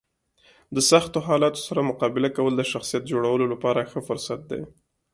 د سختو حالاتو سره مقابله کول د شخصیت جوړولو لپاره ښه فرصت دی.